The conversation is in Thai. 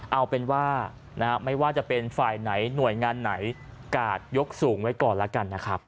เอาเป็นว่าไม่ว่าจะเป็นฝ่ายไหนหน่วยงานไหนกาดยกสูงไว้ก่อนแล้วกันนะครับ